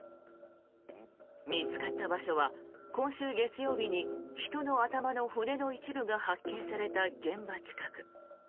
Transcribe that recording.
見つかった場所は今週月曜日に人の頭の骨の一部が発見された現場近く。